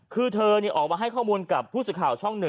คือเธอออกมาให้ข้อมูลกับผู้สื่อข่าวช่อง๑